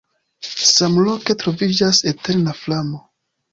Samloke troviĝas eterna flamo.